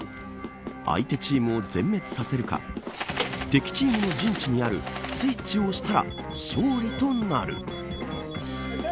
相手チームを全滅させるか敵チームの陣地にあるスイッチを押したら勝利となる。